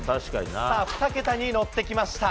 さあ、２桁にのってきました。